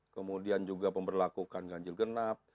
kemudian juga pemberlakukan ganjil genap